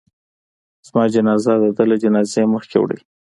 زما جنازه د ده له جنازې مخکې وړئ.